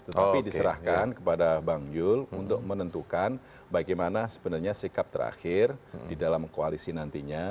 tetapi diserahkan kepada bang yul untuk menentukan bagaimana sebenarnya sikap terakhir di dalam koalisi nantinya